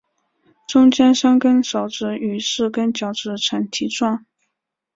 中间三跟手指与四个脚趾呈蹄状。